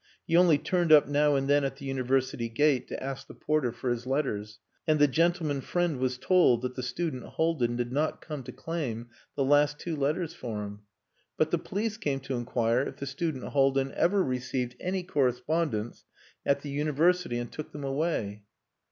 He only turned up now and then at the University gate to ask the porter for his letters. And the gentleman friend was told that the student Haldin did not come to claim the last two letters for him. But the police came to inquire if the student Haldin ever received any correspondence at the University and took them away.